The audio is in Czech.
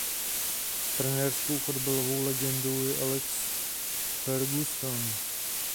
Trenérskou fotbalovou legendou je Alex Ferguson.